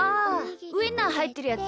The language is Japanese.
ウインナーはいってるやつ。